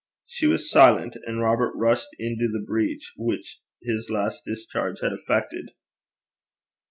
She was silent, and Robert rushed into the breach which his last discharge had effected.